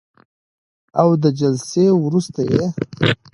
او د جلسې وروسته یې